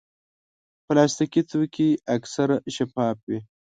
پلاستيکي توکي اکثر شفاف وي.